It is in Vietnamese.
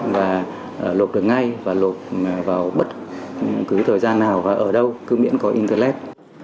và lột được ngay và lột vào bất cứ thời gian nào và ở đâu cứ miễn có internet